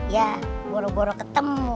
ya boro boro ketemu